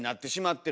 って